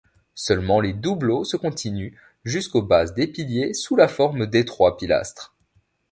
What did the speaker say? Seulement les doubleaux se continuent jusqu'aux bases des piliers sous la forme d'étroits pilastres.